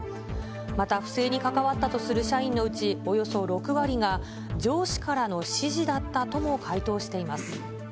また不正に関わったとする社員のうちおよそ６割が、上司からの指示だったとも回答しています。